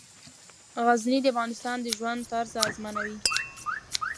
غزني د افغانانو د ژوند طرز اغېزمنوي.